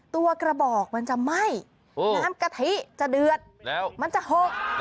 กระบอกมันจะไหม้น้ำกะทิจะเดือดแล้วมันจะเหอะ